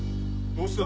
どうした？